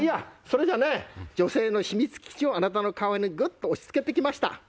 それじゃあね女性の秘密基地をあなたの顔にグッと押し付けて来ました。